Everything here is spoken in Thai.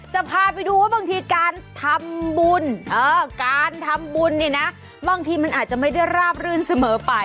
จะพาไปดูว่าบางทีการทำบุญการทำบุญเนี่ยนะบางทีมันอาจจะไม่ได้ราบรื่นเสมอไป